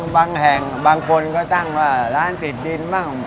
บางแห่งบางคนก็ตั้งว่าร้านติดดินบ้าง